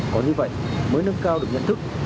có như vậy mới nâng cao được nhận thức